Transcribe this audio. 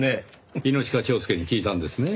猪鹿蝶助に聞いたんですね。